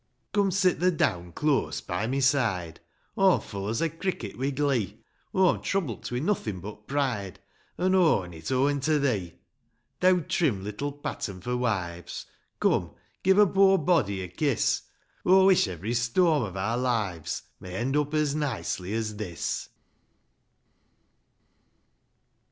V Come, sit tho down close by my side, — Aw'm full as a cricket wi' glee ; Aw'm trouble't wi' nothin' but pride, An' o' on it owing to thee ; Theaw trim little pattern for wives ;— Come, give a poor body a kiss ! Aw wish every storm of our lives May end up as nicely as this